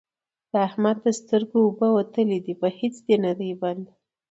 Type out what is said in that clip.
د احمد د سترګو اوبه وتلې دي؛ په هيڅ نه دی بند،